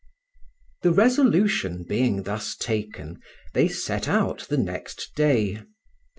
THE resolution being thus taken, they set out the next day.